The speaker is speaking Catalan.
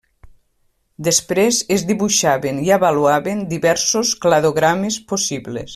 Després es dibuixaven i avaluaven diversos cladogrames possibles.